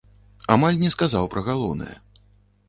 Амаль не сказаў пра галоўнае.